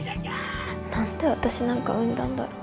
何で私なんか生んだんだろう。